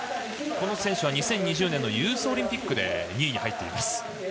この選手は２０２０年のユースオリンピックで２位に入っています。